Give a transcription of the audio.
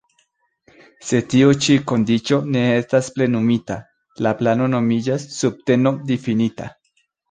Se tiu ĉi kondiĉo ne estas plenumita, la plano nomiĝas "subteno-difinita".